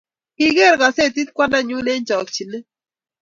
kigeer kasetit kwanda nyu eng chakchinet